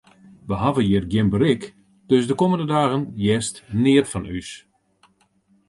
Wy hawwe hjir gjin berik, dus de kommende dagen hearst neat fan ús.